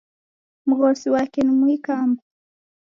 Mghosi wake ni Muikamba